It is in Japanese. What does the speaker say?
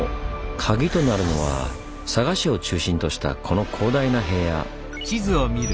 カギとなるのは佐賀市を中心としたこの広大な平野。